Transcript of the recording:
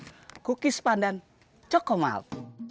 nih kukis pandan cokomalt